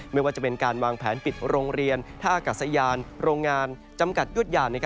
ไม่ว่าจะเป็นการวางแผนปิดโรงเรียนท่าอากาศยานโรงงานจำกัดยุดยาน